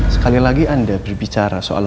sekali lagi anda berbicara soal